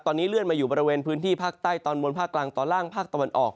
ตอนนี้เลื่อนมาอยู่บริเวณพื้นที่ภาคใต้ตอนบนภาคกลางตอนล่างภาคตะวันออก